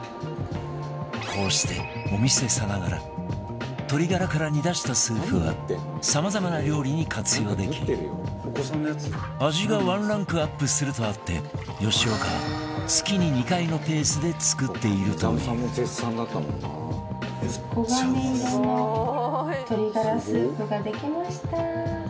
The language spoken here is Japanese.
こうしてお店さながら鶏ガラから煮出したスープはさまざまな料理に活用でき味がワンランクアップするとあって吉岡は月に２回のペースで作っているというができました！